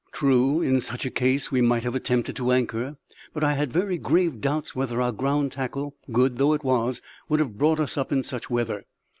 True, in such a case we might have attempted to anchor, but I had very grave doubts whether our ground tackle, good though it was, would have brought us up in such weather.